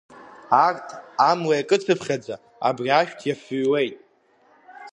Арҭ амла иакыцԥхьаӡа абри ашәҭ иафыҩуеит.